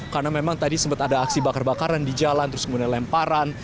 karena memang tadi sempat ada aksi bakar bakaran di jalan terus kemudian lemparan